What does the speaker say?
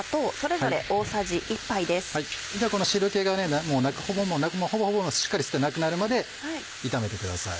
この汁気がほぼほぼもうしっかり吸ってなくなるまで炒めてください。